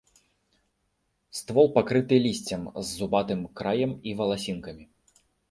Ствол пакрыты лісцем з зубатым краем і валасінкамі.